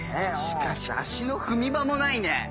しかし足の踏み場もないね！